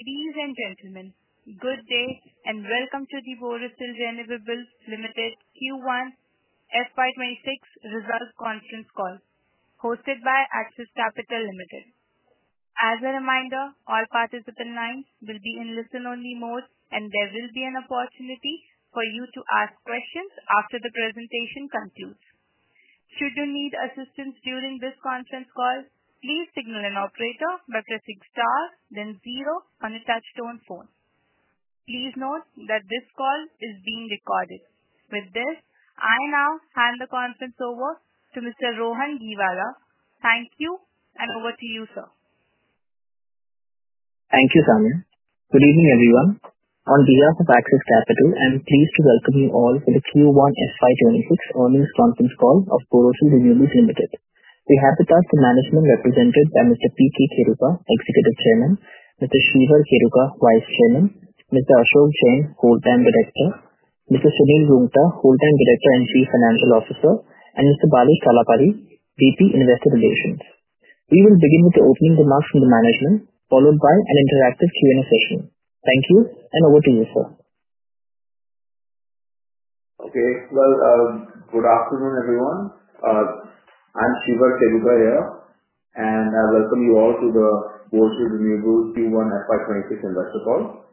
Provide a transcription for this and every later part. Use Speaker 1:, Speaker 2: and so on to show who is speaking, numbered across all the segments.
Speaker 1: Ladies and gentlemen, good day and welcome to the Borosil Renewables Ltd Q1 FY26 Results Conference Call hosted by Axis Capital Ltd. As a reminder, all participant lines will be in listen-only mode, and there will be an opportunity for you to ask questions after the presentation concludes. Should you need assistance during this conference call, please signal an operator by pressing star, then zero on a touchtone phone. Please note that this call is being recorded. With this, I now hand the conference over to Mr. Rohan Gheewala. Thank you, and over to you, sir.
Speaker 2: Thank you, Samia. Good evening, everyone. On behalf of Axis Capital, I'm pleased to welcome you all to the Q1 FY26 Earnings Conference Call of Borosil Renewables Ltd. We have the past management represented by Mr. P.K. Kheruka, Executive Chairman, Mr. Shreevar Kheruka, Vice Chairman, Mr. Ashok Jain, Whole-time Director, Mr. Sunil Roongta, Whole-time Director and Chief Financial Officer, and Mr. Balesh Talapady, VP, Investor Relations. We will begin with the opening remarks from the management, followed by an interactive Q&A session. Thank you, and over to you, sir.
Speaker 3: Okay. Good afternoon, everyone. I'm Shreevar Kheruka here, and I welcome you all to the Borosil Renewables Q1 FY26 Investor Call.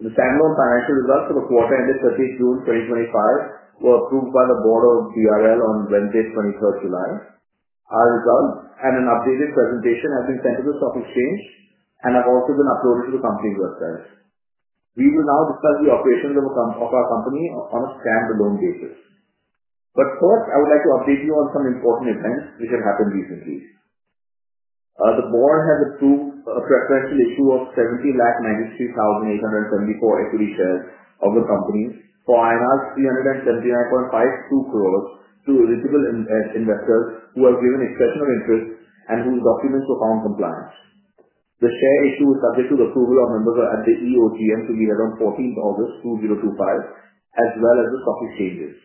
Speaker 3: The standalone financial results for the quarter ended 30th June 2025 were approved by the Board of BRL on Wednesday, 23rd July. Our results and an updated presentation have been sent to the stock exchange and have also been uploaded to the company's website. We will now discuss the operations of our company on a standalone basis. First, I would like to update you on some important events which have happened recently. The Board has approved a preferential issue of 7,093,824 equity shares of the company for an amount of 379.52 crores to eligible investors who have given exceptional interest and whose documents were found compliant. The share issue was subject to the approval of members of the EOGM to be held on 14th August 2025, as well as the stock exchanges.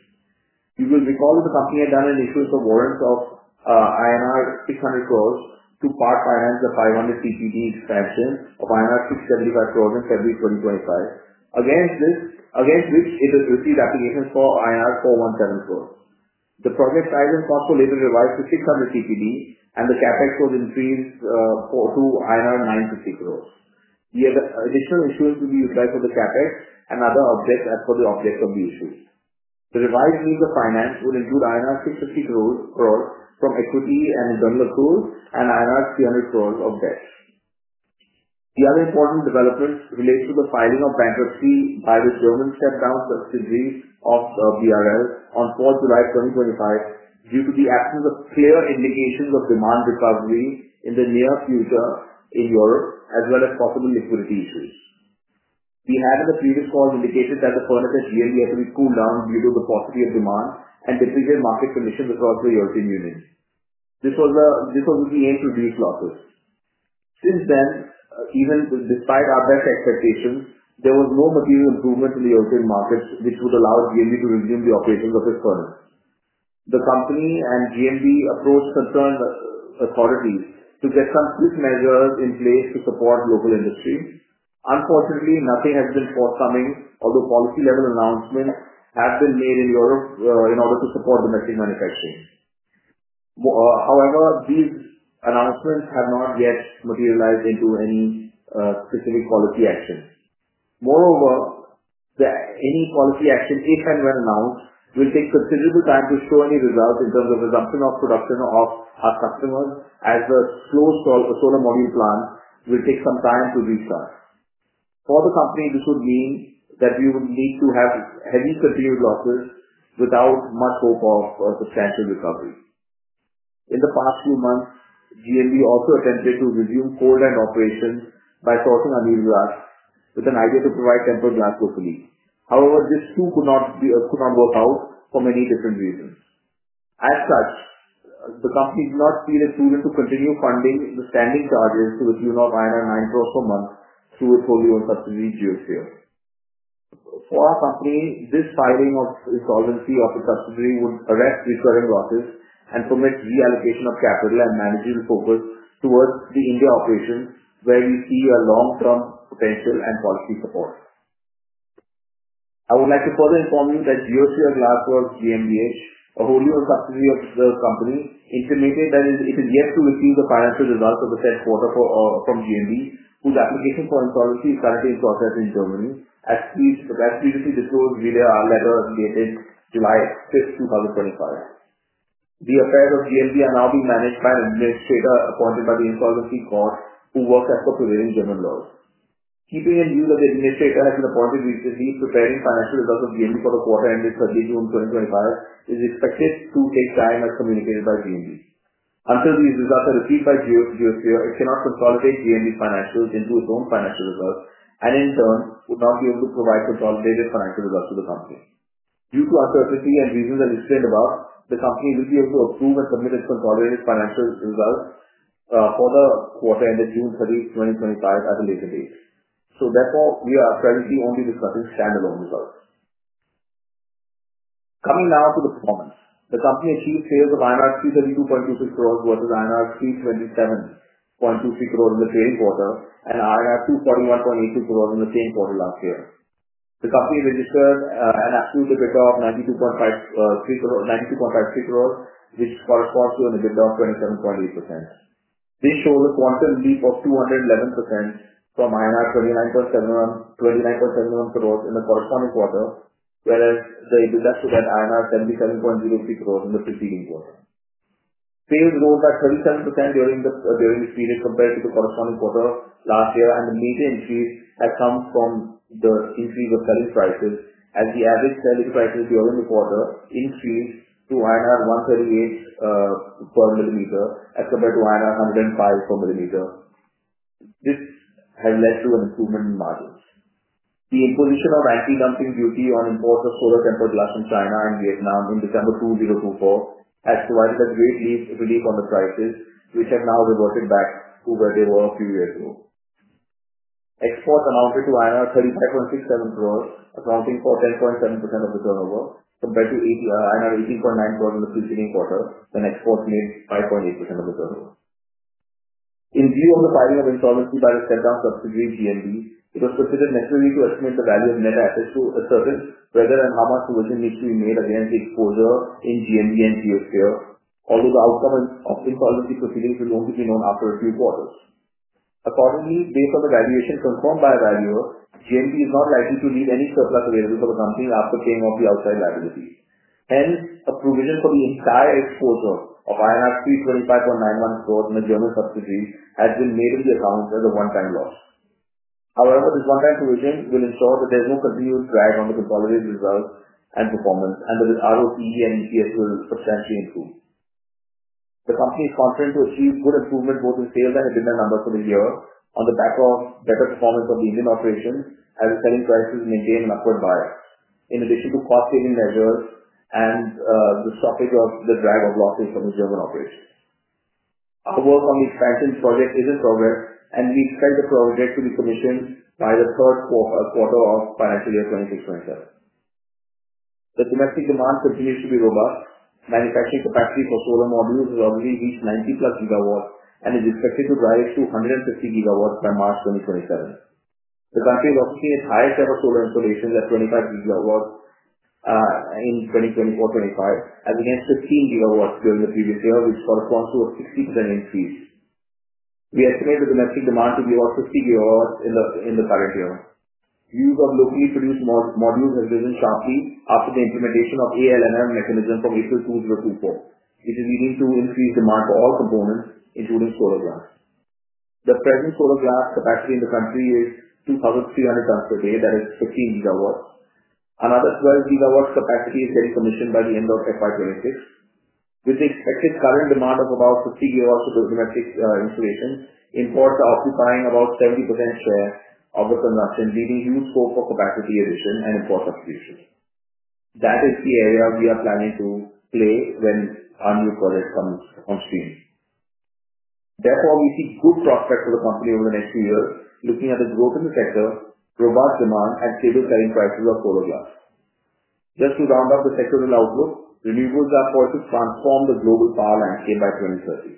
Speaker 3: You will recall that the company had done an issue with a warrant of INR 600 crores to park-finance the 500 TPD expansion of INR 675 crores in February 2025, against which it has received applications for INR 417 crores. The project size and cost were later revised to 600 TPD, and the CapEx was increased to INR 950 crores. The additional issues will be applied for the CapEx and other objects as per the objects on the issues. The revised range of finance will include INR 650 crores from equity and income accrual and INR 300 crores of debt. The other important developments relate to the filing of bankruptcy by the German step-down subsidiaries of BRL on 4th July 2025 due to the absence of clear indications of demand recovery in the near future in Europe, as well as possible liquidity issues. We had, in a previous call, indicated that the quarter had really had to be cooled down due to the paucity of demand and depreciated market conditions across the European Union. This was what we aimed to reduce losses. Since then, even despite our best expectations, there was no material improvement in the European markets which would allow GMB to resume the operations of its products. The company and GMB approached concerned authorities to get some quick measures in place to support the local industry. Unfortunately, nothing has been forthcoming, although policy-level announcements have been made in Europe in order to support the machine manufacturing. However, these announcements have not yet materialized into any specific policy action. Moreover, any policy action, if and when announced, will take considerable time to show any results in terms of the production of our customer, as the closed solar module plant will take some time to recharge. For the company, this would mean that we would need to have heavy continued losses without much hope of a substantial recovery. In the past few months, GMB also attempted to resume cold end operations by sourcing annealed glass with an idea to provide tempered glass for the leak. However, this too could not work out for many different reasons. As such, the company did not feel it prudent to continue funding the standing charges to the tune of 9 crore per month through its wholly owned subsidiary, Geosphere. For our company, this filing of insolvency of the subsidiary would arrest recurring losses and permit reallocation of capital and managing the focus towards the India operation, where we see a long-term potential and quality support. I would like to further inform you that Geosphere Glassworks GmbH, a wholly-owned subsidiary of the company, intimated that it is yet to receive the financial results of the first quarter from GMB, whose application for insolvency is currently in process in Germany as previously disclosed via our letter dated July 5, 2025. The affairs of GMB are now being managed by an administrator appointed by the Insolvency Court, who works as per prevailing German laws. Keeping in view that the administrator has been appointed recently, preparing financial results of GMB for the quarter ended June 30, 2025, is expected to take time, as communicated by GMB. Until these results are received by Geosphere, it cannot consolidate GMB's financials into its own financial results, and in turn, would not be able to provide consolidated financial results to the company. Due to our certainty and reasons as listed above, the company will be able to approve and submit its consolidated financial results for the quarter ended June 30, 2025, at a later date. Therefore, we are currently only discussing standalone results. Coming now to the performance, the company achieved sales of INR 332.26 crores versus INR 327.23 crores in the trading quarter and INR 241.82 crores in the same quarter last year. The company registered an absolute EBITDA of INR 92.53 crores, which corresponds to an EBITDA of 27.8%. This shows a quantum leap of 211% from INR 29.71 crores in the corresponding quarter, whereas the EBITDA stood at INR 37.03 crores in the preceding quarter. Sales rose by 37% during this period compared to the corresponding quarter last year, and the major increase has come from the increase of selling prices, as the average selling prices during the quarter increased to INR 138 per millimeter as compared to INR 105 per millimeter. This has led to an improvement in margins. The imposition of anti-dumping duties on imports of solar tempered glass from China and Vietnam in December 2024 has provided a great relief on the prices, which have now reverted back to where they were a few years ago. Exports amounted to 35.67 crores, accounting for 10.7% of the turnover, compared to 18.9 crores in the preceding quarter, when exports made 5.8% of the turnover. In view of the filing of insolvency by the stamped-out subsidiary GMB, it was considered necessary to estimate the value of net assets to assess whether and how much provision needs to be made against the exposure in GMB and Geosphere, although the outcome of the insolvency proceedings will only be known after a few quarters. Accordingly, based on the valuation confirmed by a valuer, GMB is not likely to need any surplus available for the company after paying off the outside liability. Hence, a provision for the entire exposure of 325.91 crores in the German subsidiary has been made in the account as a one-time loss. However, this one-time provision will ensure that there's no continued drag on the consolidated results and performance, and the ROCE and EPS will substantially improve. The company is confident to achieve good improvement both in sales and EBITDA numbers for the year on the back of better performance of the Indian operations as selling prices maintain an upward bias, in addition to cost-saving measures and the stopping of the drag of losses from its German operations. Our work on the expansion project is in progress, and we expect the project to be commissioned by the third quarter of financial year 2026-2027. The domestic demand continues to be robust. Manufacturing capacity for solar modules has already reached + 90 gigawatts and is expected to rise to 150 gigawatts by March 2027. The company is also seeing its highest ever solar installation at 25 gigawatts in 2024-25, against 15 gigawatts during the previous year, which corresponds to a 60% increase. We estimate the domestic demand to be about 50 gigawatts in the current year. Use of locally produced modules has risen sharply after the implementation of ALMM mechanism from April 2024, which is leading to increased demand for all components, including solar glass. The present solar glass capacity in the country is 2,300 tons per day, that is 15 gigawatts. Another 12 gigawatts capacity is getting commissioned by the end of FY 2026. With the expected current demand of about 50 gigawatts for the domestic installation, imports are occupying about 70% share of the production, leading to hope for capacity addition and import substitution. That is the area we are planning to play when our new project comes on screen. Therefore, we see good prospects for the company over the next year, looking at the growth in the sector, robust demand, and stable selling prices of solar glass. Just to round out the sectoral outlook, renewable gas prices transformed the global power landscape by 2030.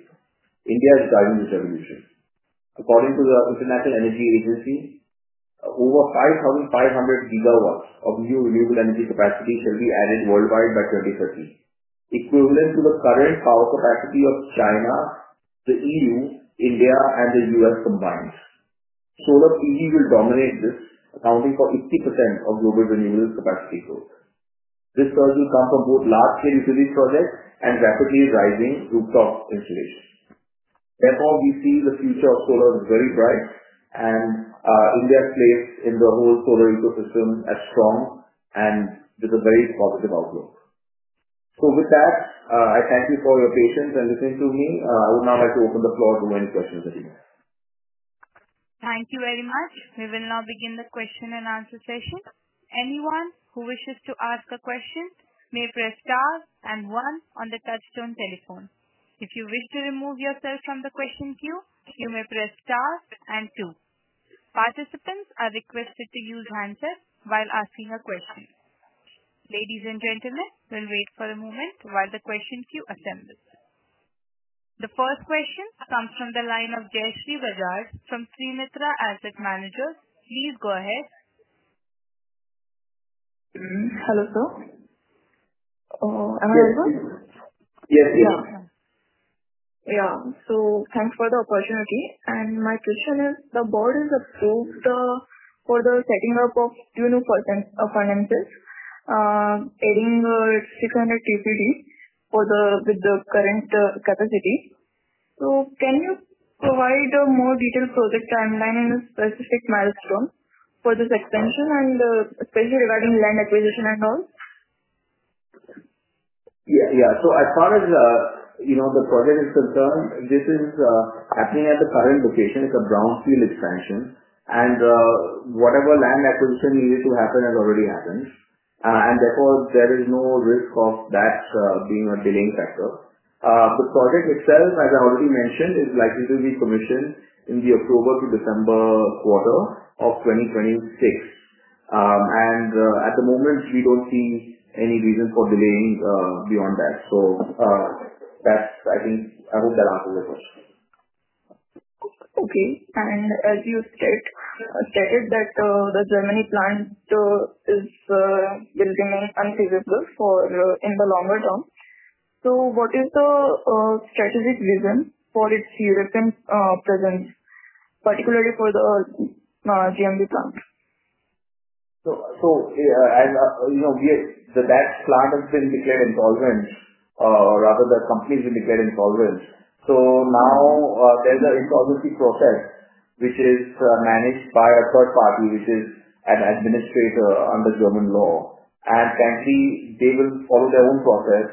Speaker 3: India is driving this evolution. According to the International Energy Agency, over 5,500 gigawatts of new renewable energy capacity can be added worldwide by 2030, equivalent to the current power capacity of China, the E.U., India, and the U.S. combined. Solar PV will dominate this, accounting for 80% of global renewables capacity growth. This growth will come from both large-scale utility projects and rapidly rising rooftop installations. Therefore, we see the future of solar very bright, and India's place in the whole solar ecosystem as strong and with a very positive outlook. I thank you for your patience and listening to me. I would now like to open the floor to any questions that you may have.
Speaker 1: Thank you very much. We will now begin the question and answer session. Anyone who wishes to ask a question may press star and one on the touchtone telephone. If you wish to remove yourself from the question queue, you may press star and two. Participants are requested to use hands up while asking a question. Ladies and gentlemen, we'll wait for a moment while the question queue assembles. The first question comes from the line of Jayshree Bajaj from Trinetra Asset Managers. Please go ahead.
Speaker 4: Hello, sir. Am I audible?
Speaker 3: Yes.
Speaker 4: Yeah. Thanks for the opportunity. My question is, the Board has approved the further setting up of two new furnaces, adding 600 TPD with the current capacity. Can you provide more details for the timeline and specific milestones for this extension, especially regarding land acquisition and all?
Speaker 3: Yeah. As far as, you know, the project is concerned, this is happening at the current location. It's a brownfield expansion, and whatever land acquisition needed to happen has already happened. Therefore, there is no risk of that being a delaying factor. The project itself, as I already mentioned, is likely to be commissioned in the October to December quarter of 2026. At the moment, we don't see any reason for delaying beyond that. I think, I hope that answers your question.
Speaker 4: Okay. As you stated that the Germany plant is going to remain unfeasible in the longer term, what is the strategic reason for its European presence, particularly for the GMB plants?
Speaker 3: Yeah, you know, the plant has been declared insolvent rather than the company has been declared insolvent. Now there's an insolvency process, which is managed by a third party, which is an administrator under German law. Currently, they will follow their own process.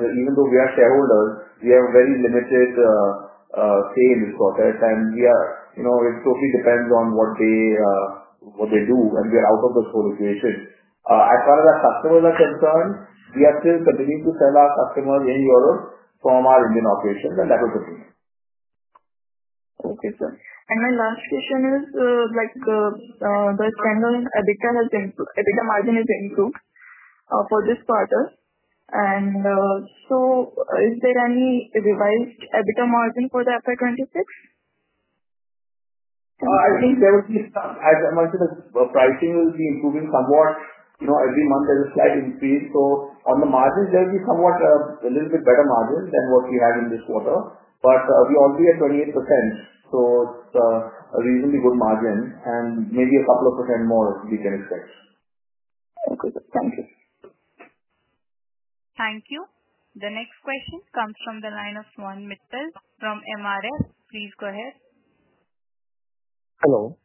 Speaker 3: Even though we are shareholders, we have very Ltd say in these quarters. It totally depends on what they do and get out of the solar field. As far as our customers are concerned, we are still continuing to sell our customers in Europe from our Indian operations, and that will continue.
Speaker 4: Okay, sir. My last question is, like the standalone EBITDA margin has improved for this quarter. Is there any revised EBITDA margin for the FY 2026?
Speaker 3: I think there will be some. As I mentioned, the pricing will be improving somewhat, you know, every month there's a slight increase. On the margins, there will be somewhat a little bit better margin than what we had in this quarter. We only have 28%, so a reasonably good margin, and maybe a couple of percent more we can expect.
Speaker 1: Thank you. The next question comes from the line of Swanand Mittal from MRF. Please go ahead. Hello.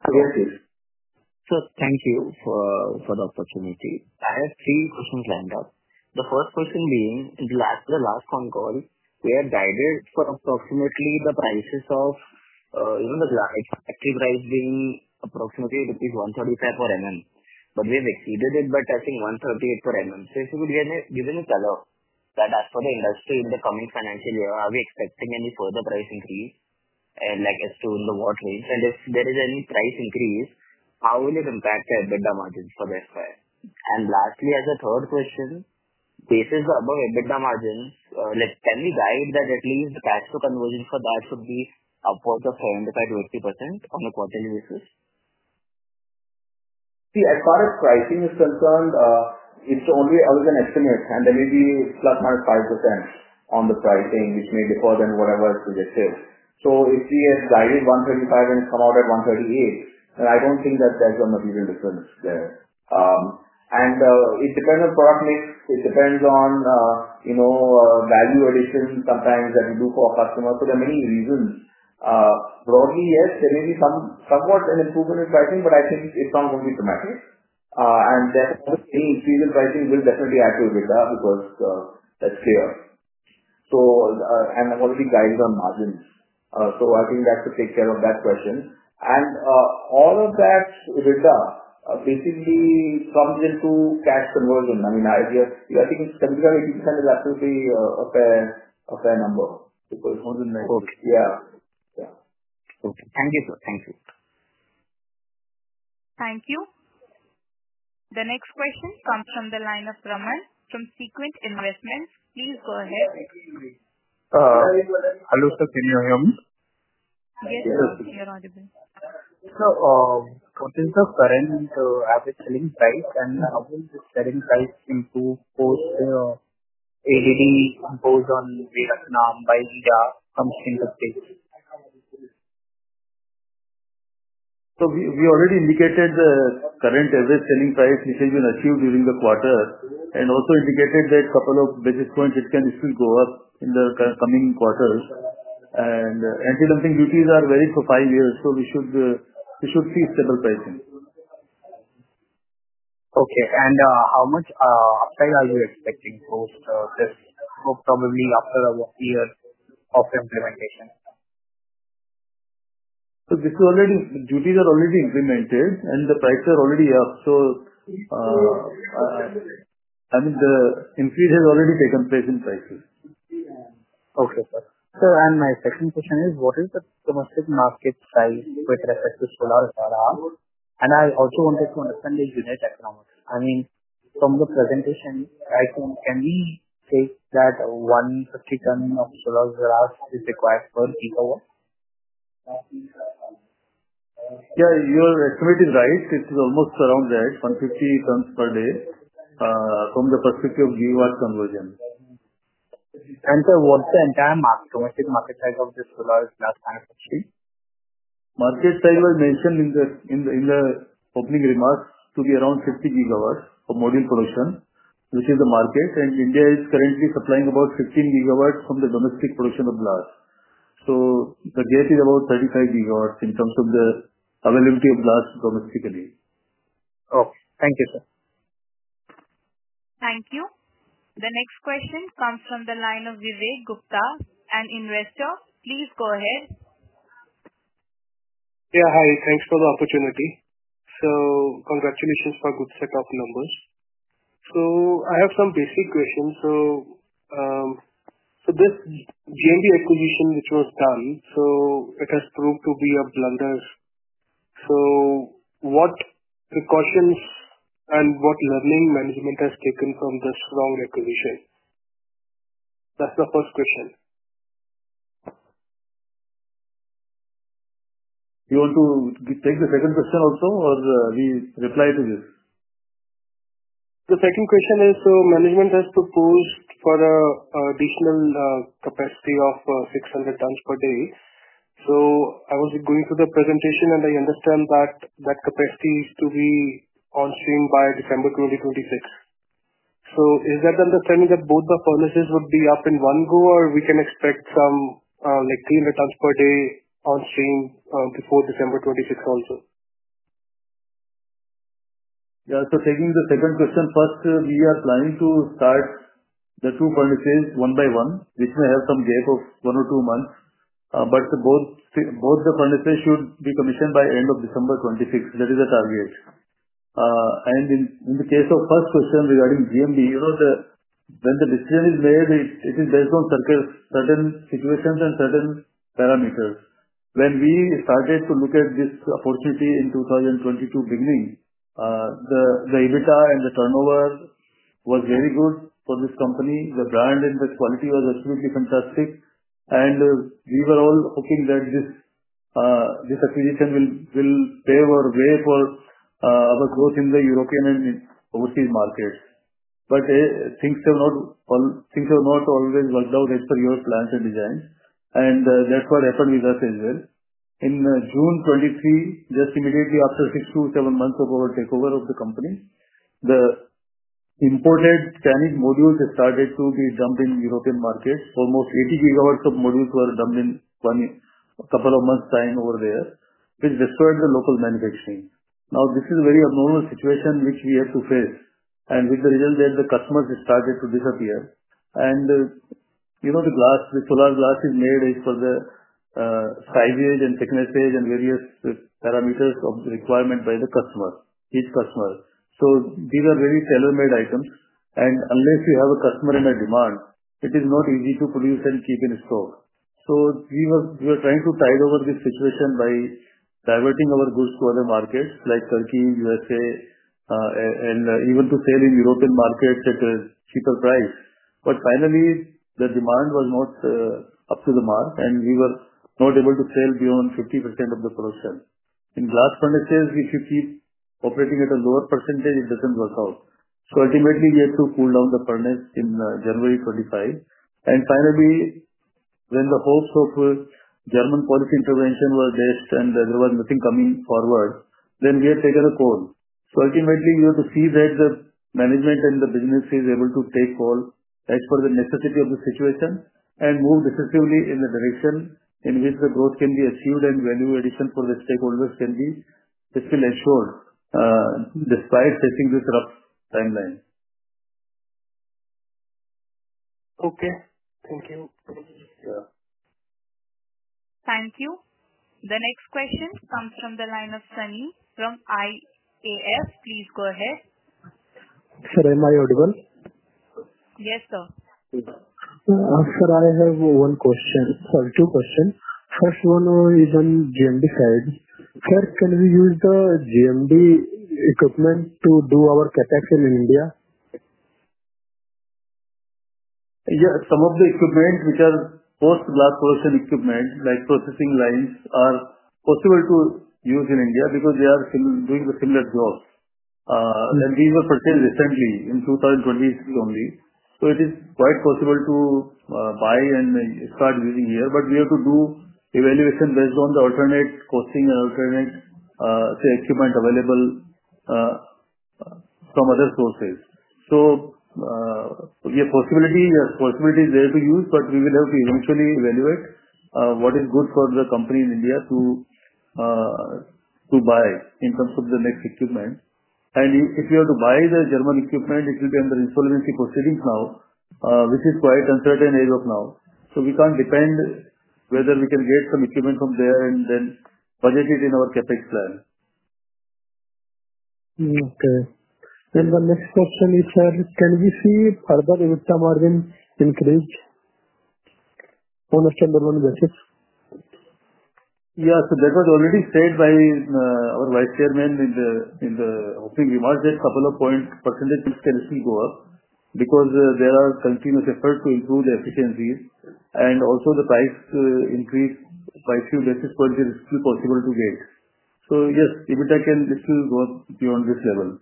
Speaker 3: Hello. Yes, yes. Sir, thank you for the opportunity. I have three questions lined up. The first question being, in the last con call, we had guided for approximately the prices of, you know, the glass, active price being approximately at least rupees 135 per mm, but we have exceeded it by testing 138 per mm. If you could give any color that as per the industry in the coming financial year, are we expecting any further price increase? As soon as the watch rings, if there is any price increase, how will it impact the EBITDA margins for the FY? Lastly, as a third question, basis the above EBITDA margins, can we guide that at least the tax conversion for that should be upwards of 75%-80% on a quarterly basis? See, as far as pricing is concerned, it's only, I was an estimate. Maybe ±5% on the pricing, which may be more than whatever it's suggested. If we have guided 135 and come out at 138, I don't think that there's a material difference there. It depends on product mix. It depends on, you know, value addition sometimes that we do for our customers for the many reasons. Broadly, yes, there may be somewhat an improvement in pricing, but I think it's not going to be dramatic. Therefore, the increase in pricing will definitely add to EBITDA because that's fair. I'm going to be guided on margins. I think that could take care of that question. All of that EBITDA basically comes into cash conversion. I mean, I think 75%-80% is absolutely a fair number. Okay. Yeah. Yeah. Okay. Thank you, sir. Thank you.
Speaker 1: Thank you. The next question comes from the line of Raman from Sequent Investments. Please go ahead.
Speaker 5: Hello, sir. Can you hear me?
Speaker 6: Yes, sir. You're audible.
Speaker 5: In terms of current and average selling price, how will the selling price improve post ADD imposed on Vietnam by Inda comes into place?
Speaker 3: We already indicated the current average selling price which has been achieved during the quarter and also indicated that a couple of basis points it can actually go up in the coming quarters. Anti-dumping duties are valid for five years, so we should see stable pricing.
Speaker 5: Okay. How much upside are you expecting post, I guess, probably after a year of implementation?
Speaker 7: Duties are already implemented, and the prices are already up. I mean, the increase has already taken place in prices.
Speaker 5: Okay, sir. Sir, my second question is, what is the domestic market size with respect to solar and glass? I also wanted to understand the unit economics. I mean, from the presentation, I think can we say that 150 tons of solar glass is required per gigawatts?
Speaker 7: Yeah, you're estimating right. It's almost around that, 150 tons per day from the perspective of gigawatts conversion.
Speaker 5: Sir, what's the entire market, domestic market size of the solar glass manufacturing?
Speaker 3: Market size was mentioned in the opening remarks to be around 50 gigawatts of module production, which is the market. India is currently supplying about 15 gigawatts from the domestic production of glass, so the gap is about 35 gigawatts in terms of the availability of glass domestically.
Speaker 5: Oh, thank you, sir.
Speaker 1: Thank you. The next question comes from the line of Vivek Gupta, an investor. Please go ahead. Yeah, hi. Thanks for the opportunity. Congratulations for a good set of numbers. I have some basic questions. This GMB acquisition, which was done, has proved to be a blunder. What precautions and what learning has management taken from this wrong acquisition? That's the first question.
Speaker 7: You want to take the second question also, or we reply to this? The second question is, management has proposed for an additional capacity of 600 tons per day. I was going through the presentation, and I understand that that capacity is to be on stream by December 2026. Is that the understanding that both the furnaces would be up in one go, or can we expect some like 300 tons per day on stream before December 2026 also? Yeah, so taking the second question first, we are planning to start the two furnaces one by one, which may have some gap of one or two months. Both the furnaces should be commissioned by the end of December 2026. That is the target. In the case of the first question regarding GMB, you know when the decision is made, it is based on certain situations and certain parameters. When we started to look at this opportunity in 2022 beginning, the EBITDA and the turnover was very good for this company. The brand and the quality was absolutely fantastic. We were all hoping that this acquisition will pay our way for our growth in the European and overseas markets. Things have not always worked out as per your plans and designs. That's what happened with us as well. In June 2023, just immediately after six to seven months of our takeover of the company, the imported Chinese modules started to be dumped in the European market. Almost 80 gigawatts of modules were dumped in a couple of months' time over there, which destroyed the local manufacturing. This is a very abnormal situation which we had to face. With the result, the customers started to disappear. The solar glass is made for the size and thickness and various parameters of requirement by the customer, each customer. These are very tailor-made items. Unless you have a customer and a demand, it is not easy to produce and keep in store. We were trying to tide over this situation by diverting our goods to other markets like Turkey, U.S.A., and even to sell in the European market at a cheaper price. Finally, the demand was not up to the mark, and we were not able to sell beyond 50% of the production. In glass furnaces, if you keep operating at a lower percentage, it doesn't work out. Ultimately, we had to cool down the furnace in January 2025. Finally, when the hopes of German policy intervention were dashed and there was nothing coming forward, we had taken a call. Ultimately, you know, to see that the management and the business is able to take call as per the necessity of the situation and move definitively in the direction in which the growth can be achieved and value addition for the stakeholders can be, this will ensure, despite facing this rough timeline. Okay, thank you.
Speaker 1: Thank you. The next question comes from the line of Sunny from IAS. Please go ahead. Sir, am I audible? Yes, sir.
Speaker 5: Sir, I have one question or two questions. First one is on GMB side. First, can we use the GMB equipment to do our CapEx in India?
Speaker 7: Yeah, some of the equipment which are post-glass furnacing equipment, like processing lines, are possible to use in India because they are doing the similar jobs. These were purchased recently in 2023 only. It is quite possible to buy and start using here. We have to do evaluation based on the alternate costing and alternate, say, equipment available from other sources. The possibility is there to use, but we will have to eventually evaluate what is good for the company in India to buy in terms of the next equipment. If we are to buy the German equipment, it will be under insolvency proceedings now, which is quite uncertain as of now. We can't depend whether we can get some equipment from there and then budget it in our CapEx plan. Okay. The next question is, sir, can we see other EBITDA margin increase on a standalone basis? Yeah, that was already said by our Vice Chairman in the opening remarks that a couple of points % can actually go up because there are continuous efforts to improve the efficiency. Also, the price increase by a few basis points is still possible to get. Yes, EBITDA can still go up beyond this level.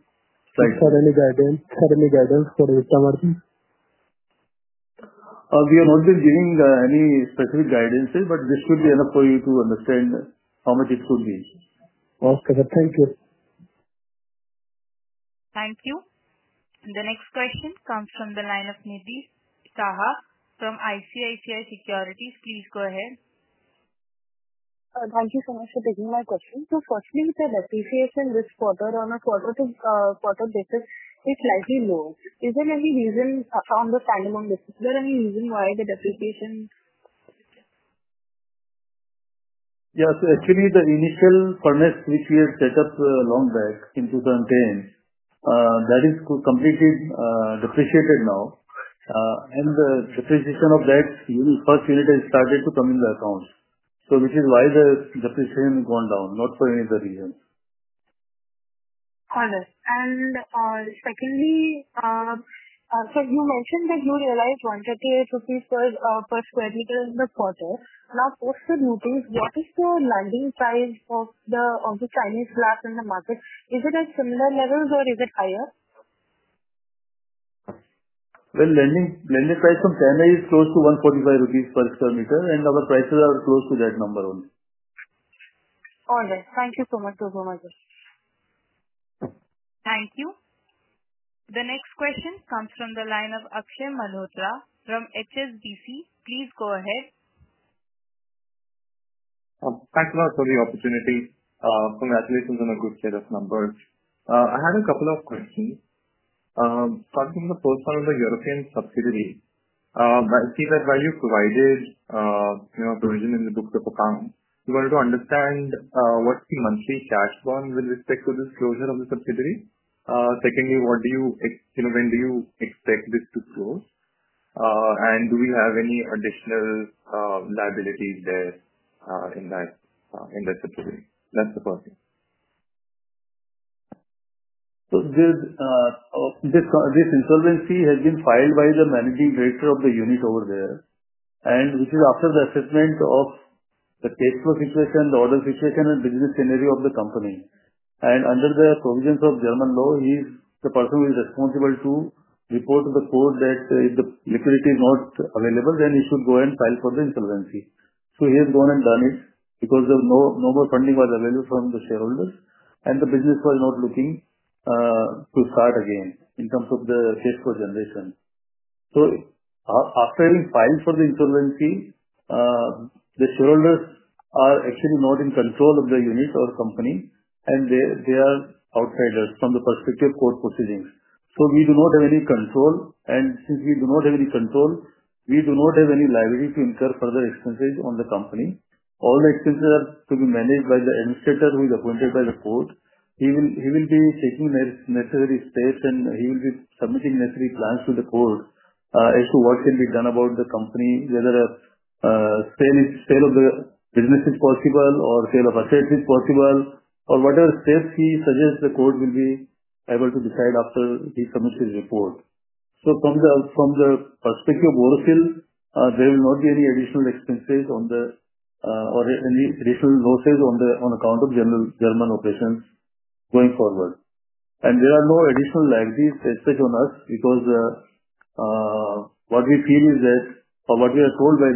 Speaker 7: Thanks for any guidance for any EBITDA margins. We are not giving any specific guidance, but this could be enough for you to understand how much it could be. Okay, sir. Thank you.
Speaker 1: Thank you. The next question comes from the line of Nidhi Shah from ICICI Securities. Please go ahead.
Speaker 8: Thank you so much for taking my question. Fortunately, the depreciation this quarter on a quarter-to-quarter basis is slightly lower. Is there any reason on the standalone basis? Is there any reason why the depreciation?
Speaker 7: Yes, actually, the initial furnace which we had set up a long back in 2010, that is completely depreciated now. The depreciation of that first unit has started to come in the account, which is why the depreciation has gone down, not for any other reason.
Speaker 8: Got it. Secondly, sir, you mentioned that you realized 138 rupees per square meter in the quarter. Now, post the duties, what is the landing price of the Chinese glass in the market? Is it at similar levels, or is it higher?
Speaker 7: Landing price from China is close to 145 rupees per square meter, and our prices are close to that number only.
Speaker 8: All right. Thank you so much, sir.
Speaker 1: Thank you. The next question comes from the line of Akshay Malhotra from HSBC. Please go ahead.
Speaker 9: Thanks for the opportunity. Congratulations on a good set of numbers. I had a couple of questions. Starting with the first one on the European subsidiary, I see that you provided a provision in the book of account. We wanted to understand what's the monthly stats with respect to the disclosure of the subsidiary. Secondly, when do you expect this to close, and do we have any additional liabilities there in that subsidiary? That's the first thing.
Speaker 7: This insolvency has been filed by the Managing Director of the unit over there, which is after the assessment of the cash flow situation, the order situation, and business scenario of the company. Under the provisions of German law, he's the person who is responsible to report to the court that if the liquidity is not available, then he should go and file for the insolvency. He has gone and done it because there was no more funding available from the shareholders, and the business was not looking to start again in terms of the cash flow generation. After having filed for the insolvency, the shareholders are actually not in control of the units or company, and they are outsiders from the perspective of court proceedings. We do not have any control, and since we do not have any control, we do not have any liability to incur further expenses on the company. All the expenses are to be managed by the administrator who is appointed by the court. He will be taking necessary steps, and he will be submitting necessary plans to the court as to what can be done about the company, whether a sale of the business is possible or a sale of assets is possible, or whatever steps he suggests the court will be able to decide after he submits his report. From the perspective of Borosil, there will not be any additional expenses or any additional losses on account of German operations going forward. There are no additional liabilities expected on us because what we feel is that, or what we are told by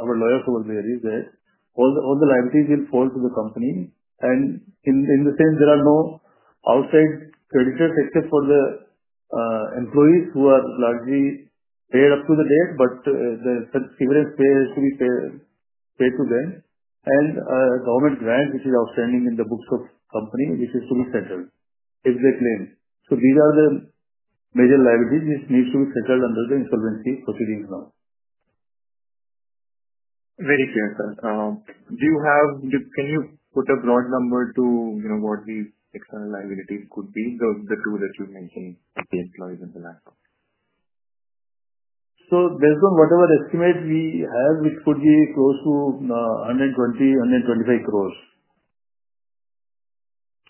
Speaker 7: our lawyers over there, is that all the liabilities will fall to the company. In the sense, there are no outside creditors except for the employees who are largely paid up to the date, but the severance pay has to be paid to them, and a government grant, which is outstanding in the books of the company, which is to be settled, if they claim. These are the major liabilities which need to be settled under the insolvency proceedings now.
Speaker 9: Very clear, sir. Do you have, can you put a broad number to what these external liabilities could be, the two that you mentioned to be employed in the line of?
Speaker 3: Based on whatever estimate we have, it could be close to 120 crores-125 crores.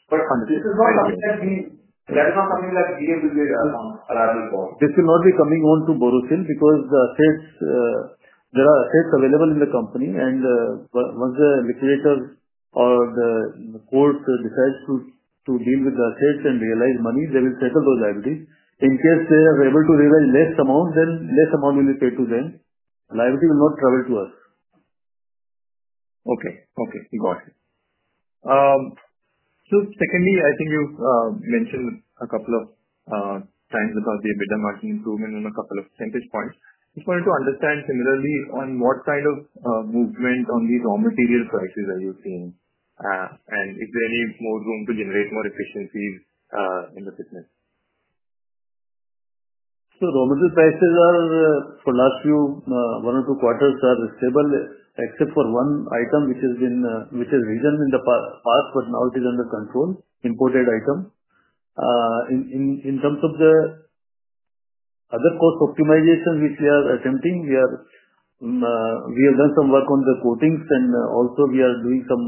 Speaker 7: This will not be coming on to Borosil because there are assets available in the company. Once the liquidators or the courts decide to deal with the assets and realize money, they will settle those liabilities. In case they are able to realize less amounts, then less amount will be paid to them. Liability will not travel to us.
Speaker 9: Okay. You got it. I think you've mentioned a couple of times about the EBITDA margin improvement and a couple of percentage points. I just wanted to understand similarly on what kind of movement on these raw material prices are you seeing, and is there any more room to generate more efficiencies in the business?
Speaker 7: Raw material prices are, for the last one or two quarters, stable except for one item which is, which is risen in the past, but now it is under control, imported item. In terms of the other cost optimization which we are attempting, we have done some work on the coatings, and also we are doing some,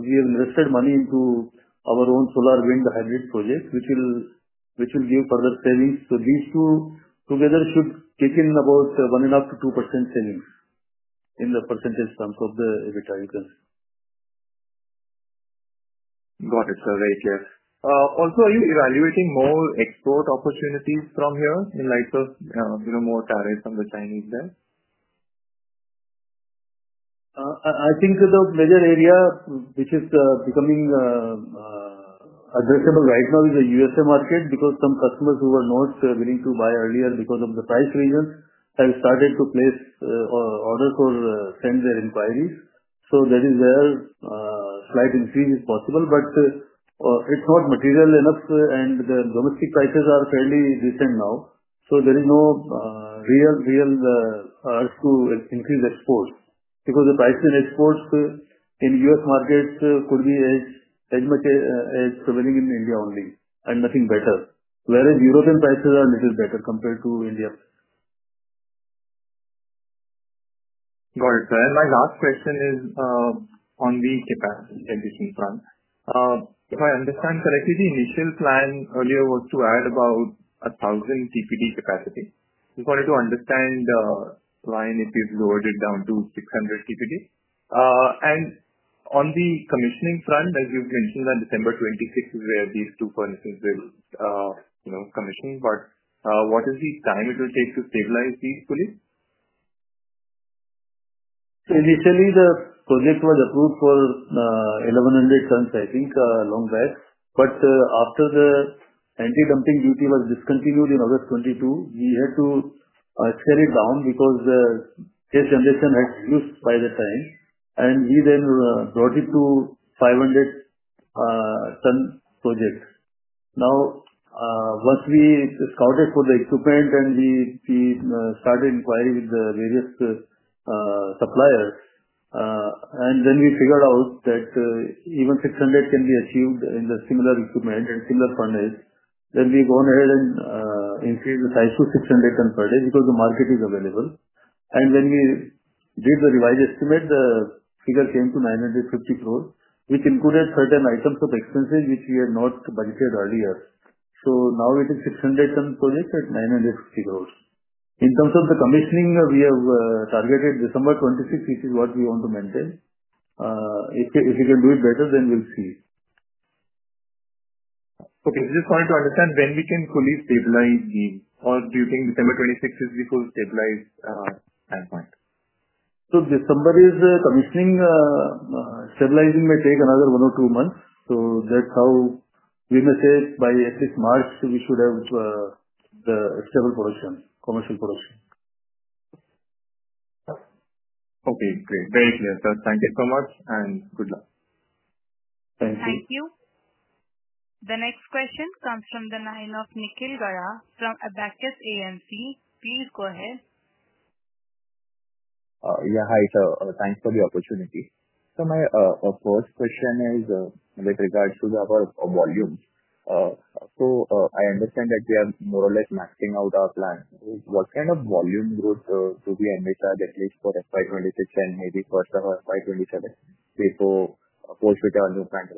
Speaker 7: we have invested money into our own solar-wind hybrid projects, which will give further savings. These two together should take in about 1.5%-2% savings in the percentage terms of the EBITDA.
Speaker 9: Got it. All right, yes. Also, are you evaluating more export opportunities from here in light of, you know, more tariffs on the Chinese then?
Speaker 7: I think the major area which is becoming addressable right now is the U.S.A. market because some customers who were not willing to buy earlier because of the price reasons have started to place orders or send their inquiries. That is where a slight increase is possible. It's not material enough, and the domestic prices are fairly decent now. There is no real, real urge to increase exports because the price in exports in the U.S. markets could be as prevailing in India only and nothing better. European prices are a little better compared to India.
Speaker 9: Got it, sir. My last question is, on the capacity front, if I understand correctly, the initial plan earlier was to add about 1,000 TPD capacity. According to my understanding, the line is lowered down to 600 TPD. On the commissioning front, as you've mentioned, December 2026 is where these two furnaces will commission. What is the time it will take to stabilize these fully?
Speaker 7: Initially, the project was approved for 1,100 tons, I think, long back. After the anti-dumping duty was discontinued in August 2022, we had to scale it down because cash transaction had reduced by that time. We then brought it to 500 tons project. Once we scouted for the equipment and started inquiring with the various suppliers, we figured out that even 600 tons can be achieved in the similar equipment and similar furnaces. We've gone ahead and increased the size to 600 tons per day because the market is available. When we did the revised estimate, the figure came to 950 crore, which included certain items of expenses which we had not budgeted earlier. Now we think 600 tons project at 950 crores. In terms of the commissioning, we have targeted December 2026, which is what we want to maintain. If we can do it better, then we'll see.
Speaker 9: Okay. I just wanted to understand when we can fully stabilize the, or do you think December 2026 is the full stabilized standpoint?
Speaker 7: December is commissioning, stabilizing may take another one or two months. That's how we may say by at least March, we should have the stable production, commercial production.
Speaker 9: Okay. Great. Very clear, sir. Thank you so much, and good luck.
Speaker 1: Thank you. The next question comes from the line of Nikhil Gada from Abakkus AMC. Please go ahead.
Speaker 10: Yeah. Hi, sir. Thanks for the opportunity. My first question is with regards to our volume. I understand that we are more or less maxing out our plan. What kind of volume growth do we envisage, at least for FY 2026 and maybe for FY 2027 before we pull fit our new plan?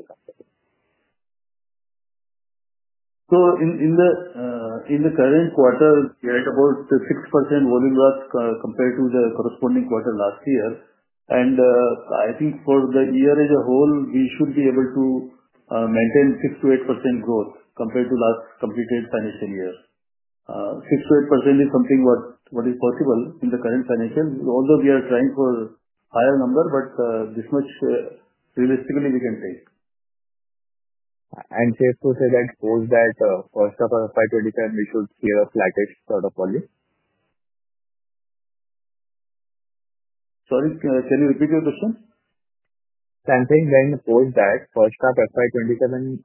Speaker 3: In the current quarter, we had about 6% volume loss compared to the corresponding quarter last year. I think for the year as a whole, we should be able to maintain 6%-8% growth compared to the last completed financial year. 6%-8% is something that is possible in the current financial year. Although we are trying for a higher number, this much realistically we can face.
Speaker 10: it safe to say that post that first half of FY 2027, we should be a flattish sort of volume?
Speaker 3: Sorry, can you repeat your question?
Speaker 10: Same thing. Post that, first half FY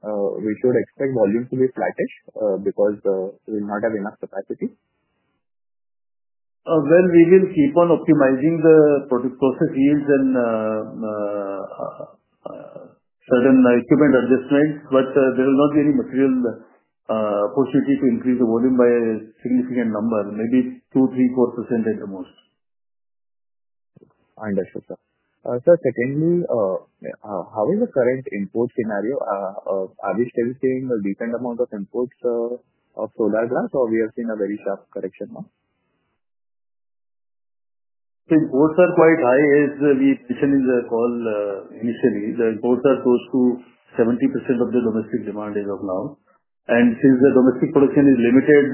Speaker 10: 2027, we should expect volume to be flattish because we will not have enough capacity?
Speaker 7: We will keep on optimizing the processes and certain equipment adjustments, but there will not be any material opportunity to increase the volume by a significant number, maybe 2%, 3%, 4% at the most.
Speaker 10: I understood, sir. Sir, secondly, how is the current import scenario? Are we still seeing a decent amount of imports of solar glass, or are we seeing a very sharp correction now?
Speaker 7: Imports are quite high, as we mentioned in the call recently. The imports are close to 70% of the domestic demand as of now. Since the domestic production is limited,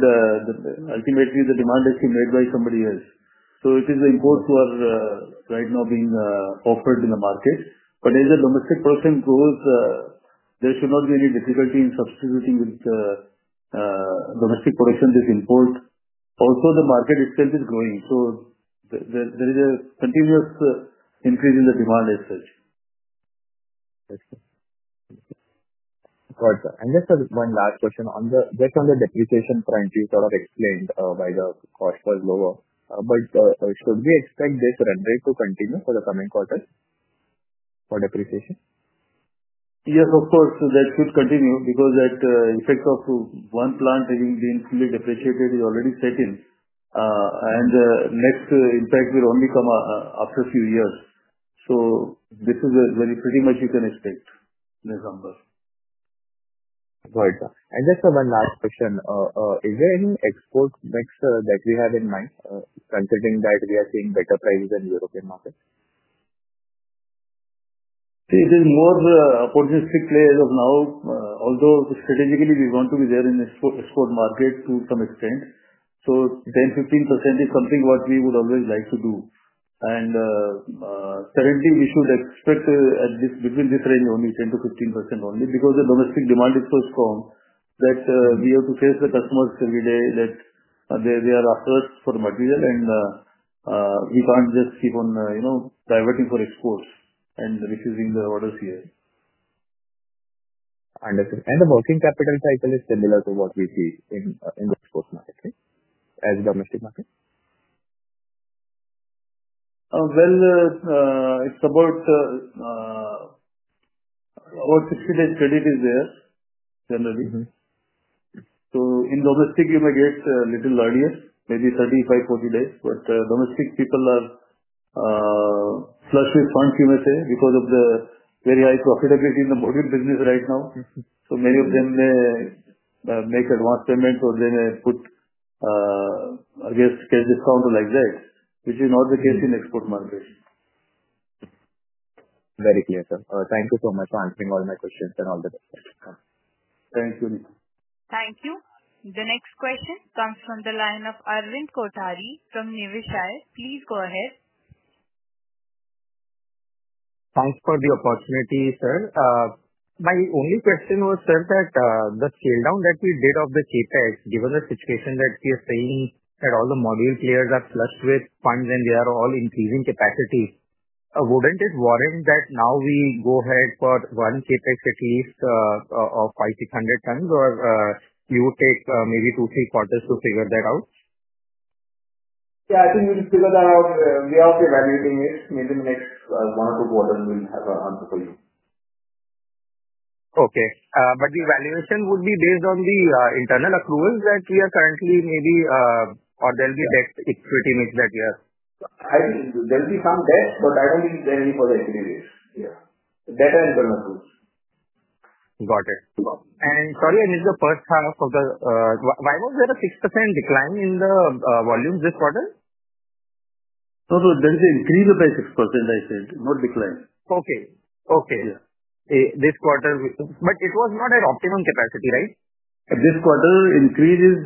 Speaker 7: ultimately, the demand has been made by somebody else. It is the imports who are right now being offered in the market. As the domestic production grows, there should not be any difficulty in substituting with domestic production this import. Also, the market itself is growing. There is a continuous increase in the demand as such.
Speaker 10: Got it, sir. Just one last question. On the depreciation front, you sort of explained why the cost was lower. Should we expect this run rate to continue for the coming quarter for depreciation?
Speaker 7: Yes, of course. That could continue because that effect of one plant having been fully depreciated is already set in. The next impacts will only come after a few years. This is where pretty much you can expect in this number.
Speaker 10: Got it, sir. Just for one last question, is there any export mix that you have in mind, considering that we are seeing better prices in the European market?
Speaker 7: It is more opportunistic play as of now, although strategically, we want to be there in the export market to some extent. 10%-15% is something what we would always like to do. Currently, we should expect at this between this range only, 10%-15% only, because the domestic demand is so strong that we have to face the customers every day that they are after us for material. We can't just keep on diverting for exports and refusing the orders here.
Speaker 10: Understood. Is the working capital cycle similar to what we see in the export market as a domestic market?
Speaker 7: It's about 60 days credit is there, generally. In domestic, you may get a little earlier, maybe 35, 40 days. Domestic people are flush with funds, you may say, because of the very high profitability in the module business right now. Many of them may make advanced payments or they may put against cash discount or like that, which is not the case in the export market. Very clear, sir. Thank you so much for answering all my questions and all the questions.
Speaker 3: Thank you, Nikhil.
Speaker 1: Thank you. The next question comes from the line of Arvind Kothari from Niveshaay. Please go ahead.
Speaker 11: Thanks for the opportunity, sir. My only question was, sir, that the scale-down that we did of the CapEx, given the situation that we are seeing that all the module players are flushed with funds and they are all increasing capacity, wouldn't it warrant that now we go ahead for one CapEx at least of 500 tons-600 tons or you would take maybe two, three quarters to figure that out?
Speaker 3: Yeah, I think you can figure that out. We are also evaluating this. Maybe in the next one or two quarters, we'll have an answer for you.
Speaker 11: Okay. The evaluation would be based on the internal accruals that we are currently maybe, or there'll be debt equity mix that we have.
Speaker 3: I think there'll be some debt, but I don't think there are any further equity mix here. Debt and internal accruals.
Speaker 11: Got it. Sorry, this is the first half of the why was there a 6% decline in the volumes this quarter?
Speaker 7: No, no. There's an increase of 6%, I said, not decline.
Speaker 11: Okay. Yeah, this quarter, which was, but it was not at optimum capacity, right?
Speaker 7: This quarter increases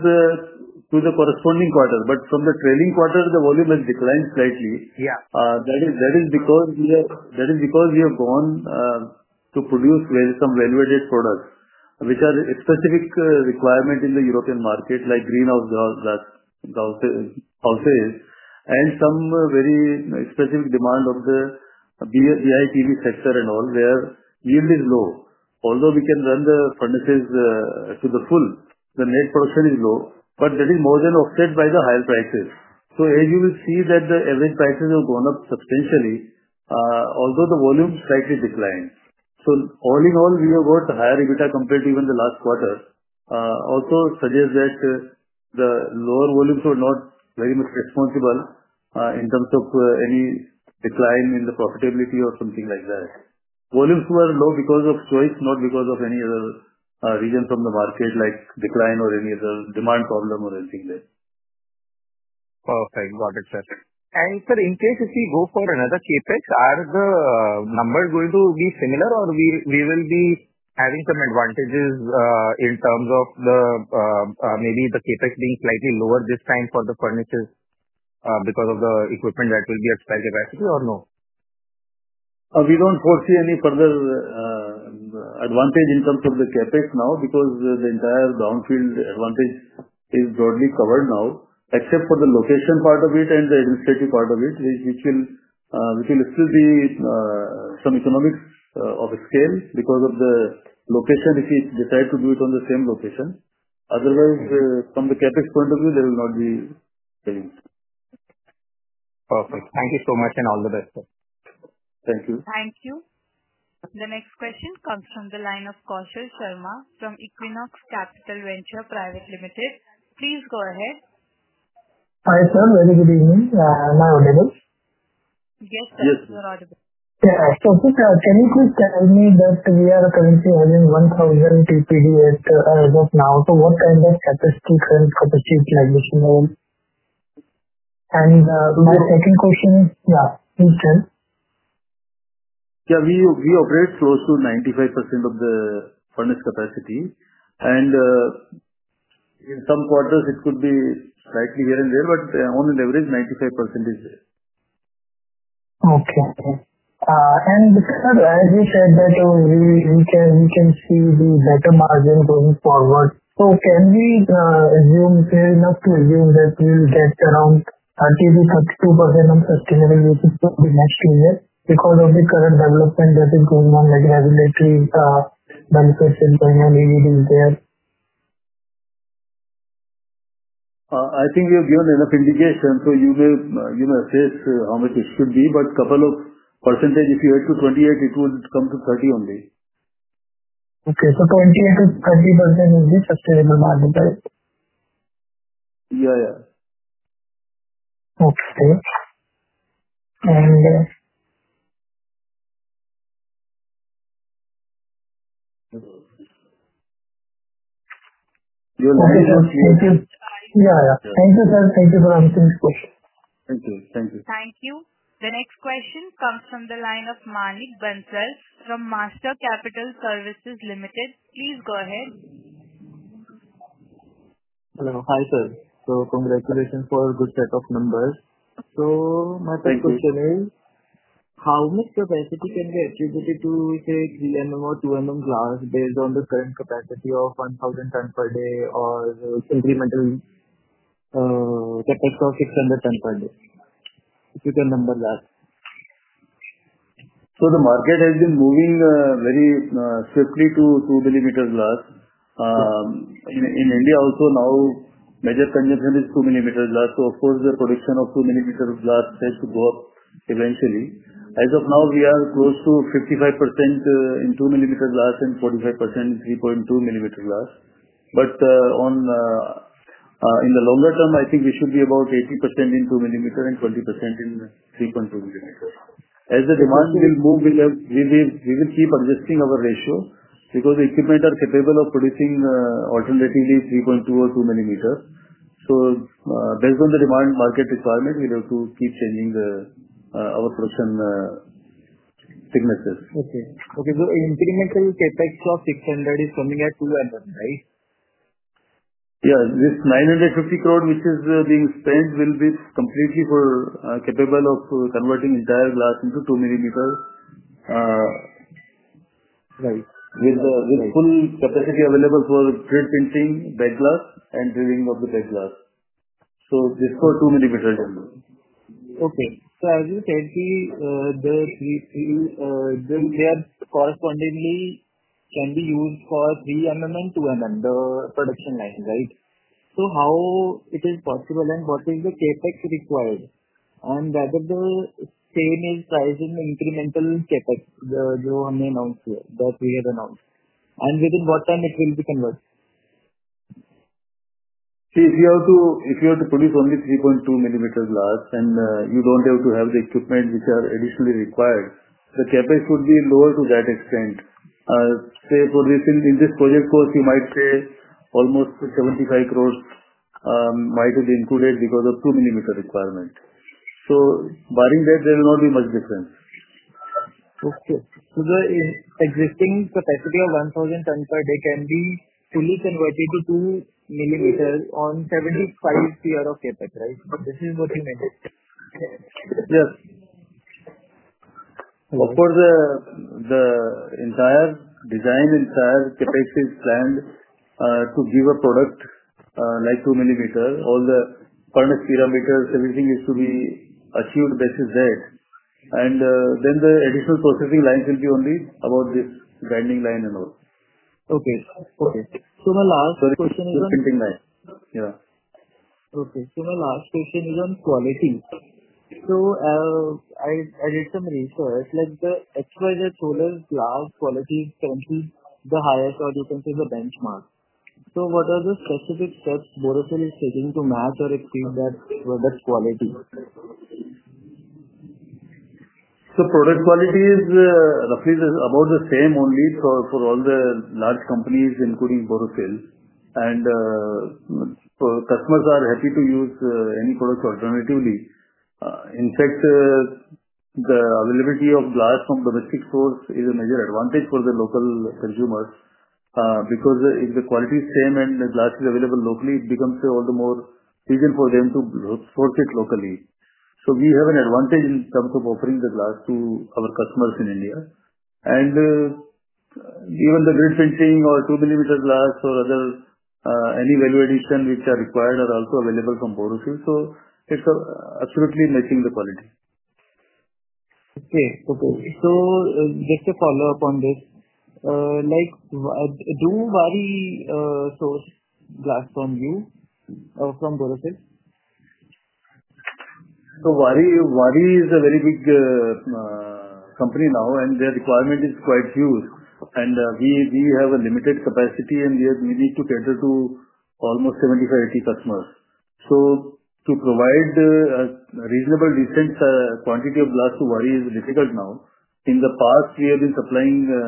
Speaker 7: to the corresponding quarter. From the trailing quarter, the volume has declined slightly. That is because we have gone to produce some well-weighted products, which are a specific requirement in the European market, like greenhouse gas houses, and some very specific demand of the BIPV sector and all where yield is low. Although we can run the furnaces to the full, the net production is low. That is more than offset by the higher prices. You will see that the average prices have gone up substantially, although the volume slightly declined. All in all, we have got a higher EBITDA compared to even the last quarter. This also suggests that the lower volumes were not very much responsible, in terms of any decline in the profitability or something like that. Volumes were low because of choice, not because of any other reason from the market, like decline or any other demand problem or anything there.
Speaker 11: Okay. Got it, sir. In case if we go for another CapEx, are the numbers going to be similar, or will we be having some advantages, in terms of maybe the CapEx being slightly lower this time for the furnaces because of the equipment that will be at spare capacity or no?
Speaker 7: We don't foresee any further advantage in terms of the CapEx now because the entire brownfield advantage is broadly covered now, except for the location part of it and the administrative part of it, which will still be some economics of scale because of the location. If we decide to do it on the same location, otherwise, from the CapEx point of view, there will not be any.
Speaker 11: Perfect. Thank you so much and all the best.
Speaker 3: Thank you.
Speaker 1: Thank you. The next question comes from the line of Kaushal Sharma from Equinox Capital Venture Private Ltd. Please go ahead.
Speaker 12: Hi, sir. Very good evening. Am I audible?
Speaker 1: Yes, sir. You're audible.
Speaker 12: Yeah. Sir, can you please tell me that we are currently having 1,000 TPD as of now? What kind of The second question, yeah, in share.
Speaker 7: Yeah, we operate close to 95% of the furnace capacity. In some quarters, it could be slightly here and there, but on an average, 95% is there.
Speaker 12: Okay. Sir, as you said that we can see the better margin going forward, can we assume fair enough to assume that we get around 30%-32% of estimated usage for the next two years because of the current development that is going on, like availability, manufacturing time, and maybe the impact?
Speaker 7: I think we have given enough indication. You may assess how much it should be, but a couple of %, if you add to 28%, it would come to 30% only.
Speaker 12: Okay. 28%-30% is the sustainable margin, right?
Speaker 7: Yeah, yeah.
Speaker 12: Okay. Thank you, sir. Thank you for answering the question.
Speaker 7: Thank you. Thank you.
Speaker 1: Thank you. The next question comes from the line of Manik Bansal from Master Capital Services Ltd. Please go ahead.
Speaker 13: Hello. Hi, sir. Congratulations for a good set of numbers. My question is, how much capacity can we attribute to, say, 3 mm or 2 mm solar glass based on the current capacity of 1,000 tons per day or incremental CapEx of 600 tons per day? If you can number that.
Speaker 7: The market has been moving very swiftly to 2 mm solar glass. In India, also now, major consumption is 2 mm solar glass. Of course, the production of 2 mm solar glass has to go up eventually. As of now, we are close to 55% in 2 mm solar glass and 45% in 3.2 mm solar glass. In the longer term, I think we should be about 80% in 2 mm and 20% in 3.2 mm. As the demand will move, we will keep adjusting our ratio because the equipment are capable of producing alternatively 3.2 mm or 2 mm. Based on the demand market requirement, we have to keep changing our production thicknesses.
Speaker 13: Okay. Okay. In the incremental CapEx of 600, is it coming at 2 mm, right?
Speaker 7: Yeah. This 950 crores, which is being spent, will be completely for capable of converting entire glass into 2 mm. There's a full capacity available for grid printing, back glass and drilling of the backglass, just for 2 mm demand.
Speaker 13: Okay. As you said, the three correspondingly can be used for 3mm and 2 mm, the production line, right? How is it possible and what is the CapEx required? And whether the same is priced in incremental CapEx that we have announced? Within what time will it be converted?
Speaker 7: See, if you have to produce only 3.2 mm glass and you don't have to have the equipment which are additionally required, the CapEx would be lower to that extent. For this project, you might say almost 75 crores might be included because of 2 mm requirement. Barring that, there will not be much difference.
Speaker 13: Okay. The existing capacity of 1,000 tons per day can be fully converted to 2 mm on 75 crores of CapEx, right? This is what you meant?
Speaker 7: Yes. For the entire design, entire CapEx is planned to give a product like 2 mm. All the furnace parameters, everything is to be assured basis that. The additional processing lines will be only about this grinding line and all.
Speaker 13: Okay. My last question is on.
Speaker 3: The printing line, yeah.
Speaker 13: Okay. My last question is on quality. I did some research. The XYZ Solar's glass quality is currently the highest as you can see in the benchmark. What are the specifics that Borosil is seeking to match or achieve that product quality?
Speaker 7: Product quality is roughly about the same only for all the large companies, including Borosil. Customers are happy to use any products alternatively. In fact, the availability of glass from a domestic source is a major advantage for the local consumers because if the quality is the same and the glass is available locally, it becomes all the more easier for them to export it locally. We have an advantage in terms of offering the glass to our customers in India. Even the grid fencing or 2 mm solar glass or any other value addition which are required are also available from Borosil. It's absolutely matching the quality.
Speaker 13: Okay. Just to follow up on this, do Waaree source glass from you, from Borosil?
Speaker 7: Waaree is a very big company now, and the requirement is quite huge. We have a limited capacity, and we need to tend to almost 75, 80 customers. To provide a reasonable, decent quantity of glass to Waaree is difficult now. In the past, we have been supplying a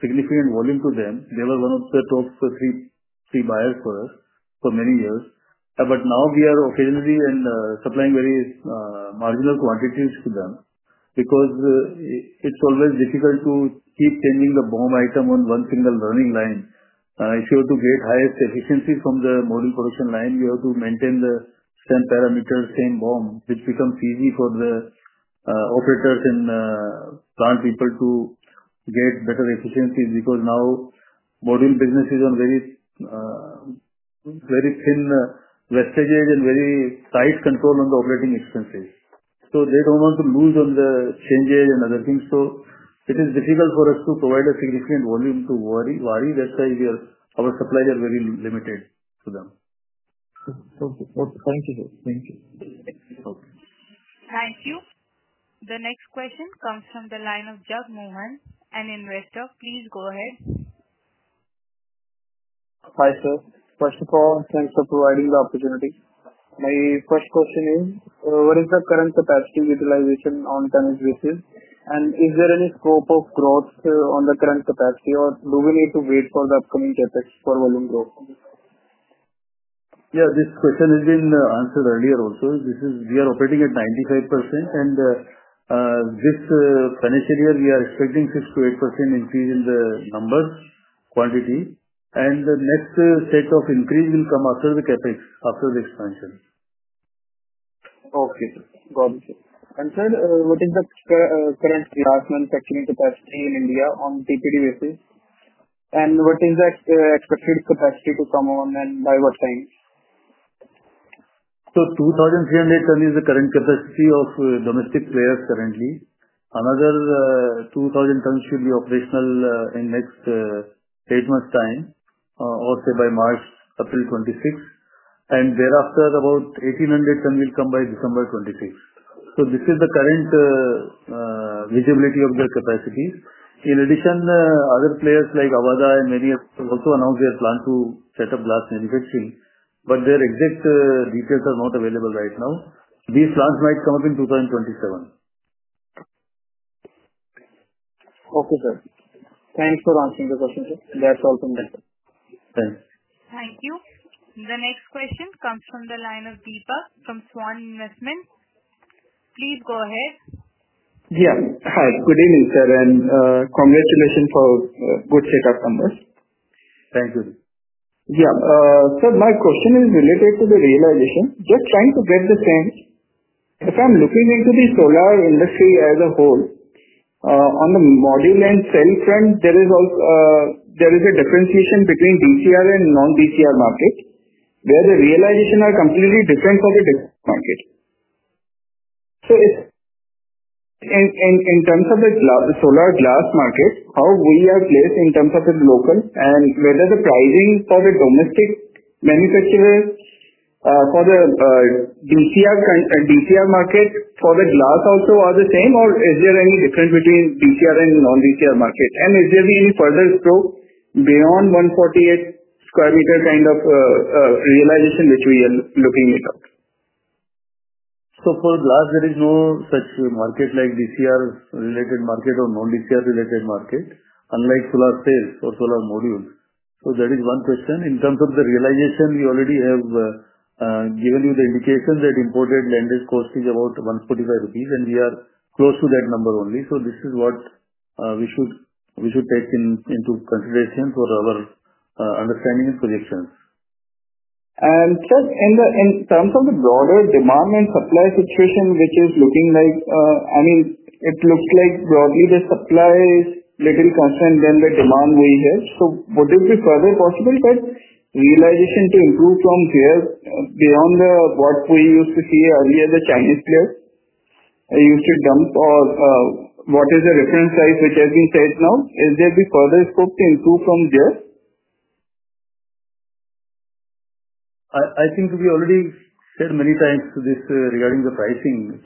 Speaker 7: significant volume to them. They were one of the top three buyers for us for many years. Now we are occasionally supplying very marginal quantities to them because it's always difficult to keep changing the BOM item on one single running line. If you have to create highest efficiencies from the module production line, you have to maintain the same parameters, same BOM, which becomes easy for the operators and plant people to get better efficiencies because now module businesses are very thin wastages and very tight control on the operating expenses. They don't want to lose on the changes and other things. It is difficult for us to provide a significant volume to Waaree because our supplies are very limited to them.
Speaker 13: Okay. Thank you. Thank you.
Speaker 1: Thank you. The next question comes from the line of Jagmohan, an investor. Please go ahead. Hi, sir. First of all, thanks for providing the opportunity. My first question is, what is the current capacity utilization on the tonnage basis? Is there any scope of growth on the current capacity, or do we need to wait for the upcoming CapEx for volume growth?
Speaker 7: Yeah, this question has been answered earlier also. We are operating at 95%. This financial year, we are expecting a 6%-8% increase in the nuambers, quantity. The next set of increase will come after the CapEx, after the expansion. Okay, sir. Got it. Sir, what is the current glass manufacturing capacity in India on TPD basis? What is the expected capacity to come on and by what time? The 2,300 ton is the current capacity of domestic players currently. Another 2,000 tons should be operational in the next eight months' time, or say by March, April 2026. Thereafter, about 1,800 ton will come by December 2026. This is the current visibility of the capacities. In addition, other players like Avaada and many also announced their plan to set up glass manufacturing, but their exact details are not available right now. These plants might come up in 2027. Okay, sir. Thanks for answering the question, sir. That's all from me.
Speaker 3: Thanks.
Speaker 1: Thank you. The next question comes from the line of Deepa from Svan Investment. Please go ahead.
Speaker 14: Yeah. Hi. Good evening, sir, and congratulations for good set of numbers.
Speaker 7: Thank you.
Speaker 14: Yeah. Sir, my question is related to the realization. Just trying to get the sense, if I'm looking into the solar industry as a whole, on the module and cell front, there is a differentiation between DCR and non-DCR market, where the realizations are completely different for the market. In terms of the solar glass markets, how we are placed in terms of the local and whether the pricing for the domestic manufacturers, for the DCR and non-DCR markets for the glass also are the same, or is there any difference between DCR and non-DCR markets? Is there any further scope beyond 148 square meter kind of realization which we are looking at?
Speaker 7: For glass, there is no such market like DCR-related market or non-DCR-related market, unlike solar cells or solar modules. In terms of the realization, we already have given you the indication that imported land is costing about 145 rupees, and we are close to that number only. This is what we should take into consideration for our understanding and projections.
Speaker 14: In terms of the broader demand and supply situation, which is looking like, I mean, it looked like broadly the supply is a little constant than the demand we have. Would it be further possible for realization to improve from there beyond what we used to see earlier? The Chinese players used to dump, or what is the reference size which has been set now? Is there a further scope to improve from there?
Speaker 7: I think we already said many times this regarding the pricing.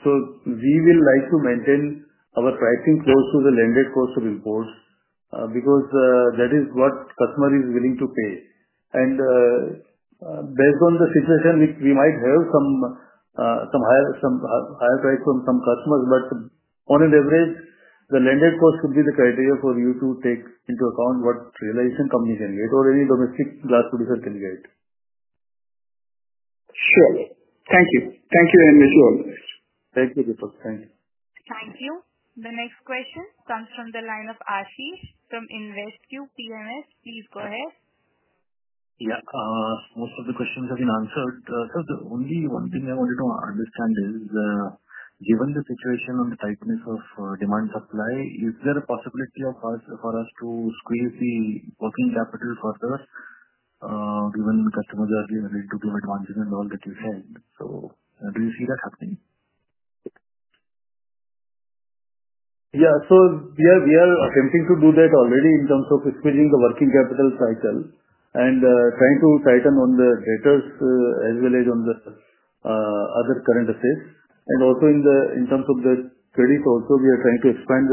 Speaker 7: We will like to maintain our pricing close to the landed cost of imports because that is what customers are willing to pay. Based on the situation, we might have some higher price from some customers. On an average, the landed cost would be the criteria for you to take into account what realization companies can get or any domestic glass producer can get.
Speaker 14: Sure. Thank you. Thank you very much for all of this.
Speaker 7: Thank you, Deepak.
Speaker 14: Thank you.
Speaker 1: Thank you. The next question comes from the line of Aashish from InvesQ PMS. Please go ahead.
Speaker 15: Yeah, most of the questions have been answered. Sir, the only one thing I wanted to understand is, given the situation and the tightness of demand supply, is there a possibility for us to squeeze working capital further given customers are being able to do with margin and all that we know? Do you see that happening?
Speaker 7: Yeah, we are attempting to do that already in terms of speeding the working capital cycle and trying to tighten on the letters as well as on the other current assets. Also, in terms of the credit, we are trying to expand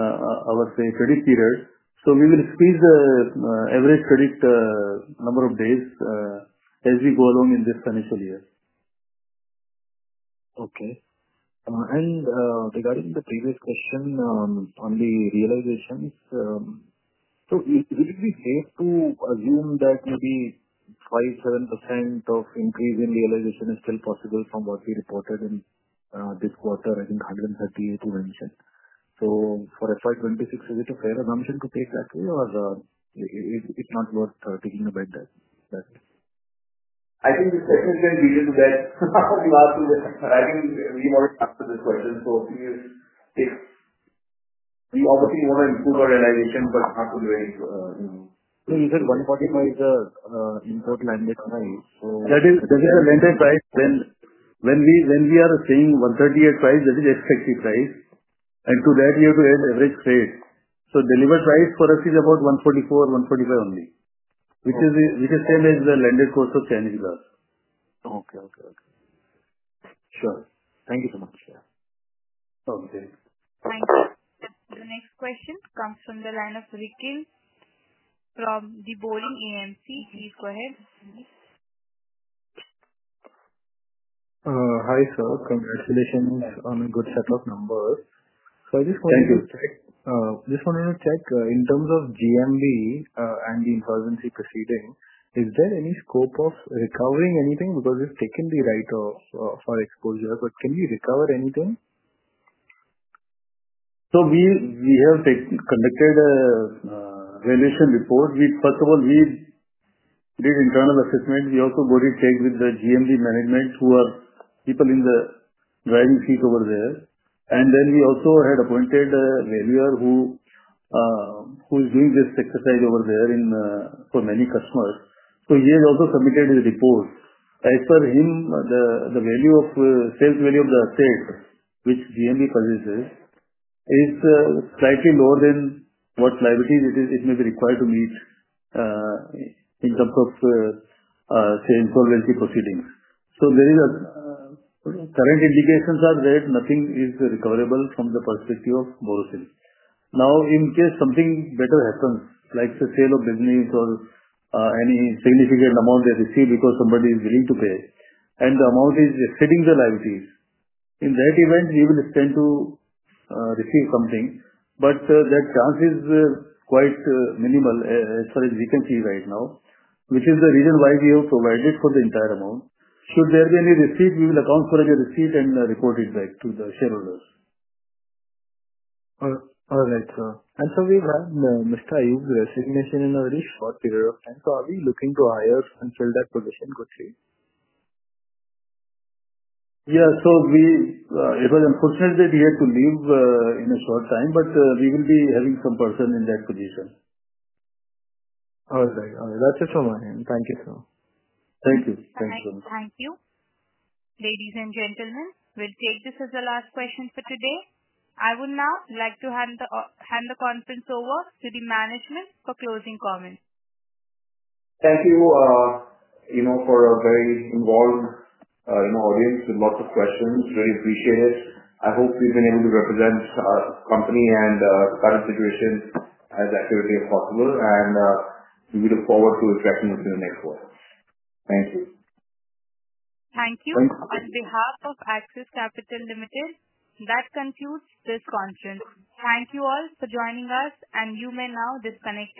Speaker 7: our credit period. We will speed the average credit number of days as we go along in this financial year.
Speaker 15: Okay. Regarding the previous question on the realizations, we have to assume that maybe 5%-7% of increase in realization is still possible from what we reported in this quarter, I think 138 to mention. For FY 2026, is it a fair assumption to take that way, or is it not worth taking a bet there?
Speaker 3: I think we've taken a fair vision to that. We've asked you that. I think we've already answered this question. We obviously want to improve our realization, but not always.
Speaker 15: You said 145 is the import landed price.
Speaker 7: Yeah, there is a landed price. When we are saying 138 price, that is ex-factory price. To that, you have to add average freight. Delivered price for us is about 144, INT 145 only, which is, we can say, that is the landed cost of Chinese glass.
Speaker 15: Okay. Okay. Okay. Sure, thank you so much.
Speaker 3: Okay.
Speaker 1: Thank you. The next question comes from the line of Rikin from The Boring AMC. Please go ahead.
Speaker 16: Hi, sir. Congratulations on a good set of numbers. I just wanted to check in terms of GMB and the insolvency proceedings, is there any scope of recovering anything because it's taken the write-off for exposure, but can we recover anything?
Speaker 7: We have conducted a renovation report. First of all, we did internal assessment. We also got in check with the GMB management who are people in the driving seat over there. We also had appointed a valuer who is doing this exercise over there for many customers. He has also submitted his report. As per him, the value of sales value of the asset which GMB possesses is slightly lower than what liabilities it may be required to meet in terms of, say, insolvency proceedings. There is a current indications are that nothing is recoverable from the perspective of Borosil. In case something better happens, like the sale of business or any significant amount they receive because somebody is willing to pay us and the amount is exceeding the liabilities, in that event, we will extend to receive something. That chance is quite minimal as far as we can see right now, which is the reason why we have provided for the entire amount. Should there be any receipt, we will account for any receipt and report it back to the shareholders.
Speaker 16: All right, sir. We've had Mr. Ayub's resignation in a very short period of time. Are we looking to hire and fill that position quickly?
Speaker 3: Yeah, it was unfortunate that he had to leave in a short time, but we will be having some person in that position.
Speaker 16: All right. That's it from my end. Thank you, sir.
Speaker 3: Thank you. Thank you so much.
Speaker 1: Thank you. Ladies and gentlemen, we'll take this as the last question for today. I would now like to hand the conference over to the management for closing comments. Thank you for a very warm audience with lots of questions. Very appreciative. I hope we've been able to represent our company and our current situation as accurately as possible. We look forward to interacting with you in the next quarter. Thank you. Thank you. On behalf of Axis Capital Ltd, that concludes this conference. Thank you all for joining us, and you may now disconnect.